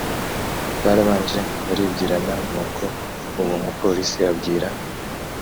barabanje baribwirana nuko uwo mupolice abwira